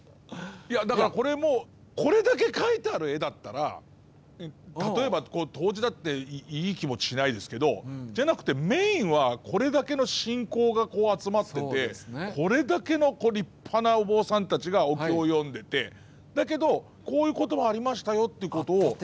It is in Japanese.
だから、これもこれだけ描いてある絵だったら例えば、東寺だっていい気持ちしないですけどじゃなくて、メインはこれだけの信仰が集まっててこれだけの立派なお坊さんたちがお経を読んでてだけど、こういうことがありましたよってことを。